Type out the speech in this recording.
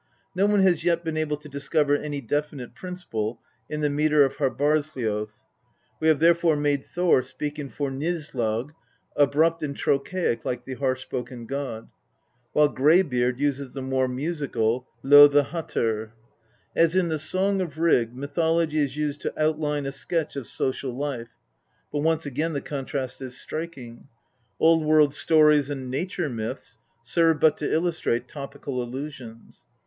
No one has yet been able to discover any definite principle in the metre of Harbar)?slj6j>. We have therefore made Thor speak in Fornyrjnslag, abrupt and trochaic like the harsh spoken god, while Greybeard uses the more musical Ljo|>ahattr. As in the Song of Rig, mythology is used to out line a sketch of social life, but once again the contrast is striking. Old world stories and nature myths serve but to illustrate topical allusions.